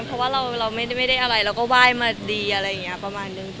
เพราะเราไม่ได้อะไรเราก็วายมาดีอะไรเงี้ยประมาณนึง